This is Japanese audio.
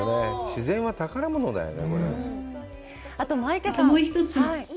自然は宝物だよね。